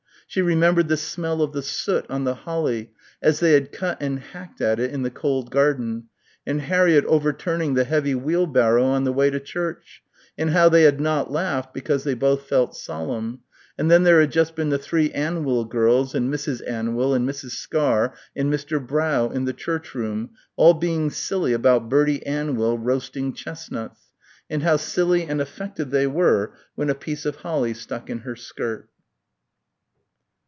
she remembered the smell of the soot on the holly as they had cut and hacked at it in the cold garden, and Harriett overturning the heavy wheelbarrow on the way to church, and how they had not laughed because they both felt solemn, and then there had just been the three Anwyl girls and Mrs. Anwyl and Mrs. Scarr and Mr. Brough in the church room all being silly about Birdy Anwyl roasting chestnuts, and how silly and affected they were when a piece of holly stuck in her skirt.